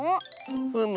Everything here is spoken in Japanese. ふむ。